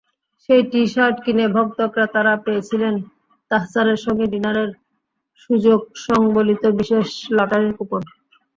সেই টি-শার্ট কিনে ভক্ত-ক্রেতারা পেয়েছিলেন তাহসানের সঙ্গে ডিনারের সুযোগসংবলিত বিশেষ লটারির কুপন।